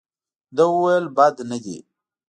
ده وویل بد نه دي.